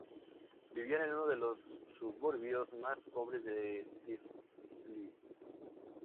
Vivían en uno de los suburbios más pobres de Tiflis.